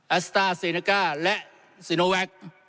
แอสตาร์เซนกาและซีโนแวก